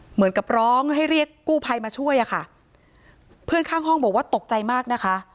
เหมือนกับร้องให้เรียกกู้ภัยมาช่วยอะค่ะเพื่อนข้างห้องบอกว่าตกใจมากนะคะ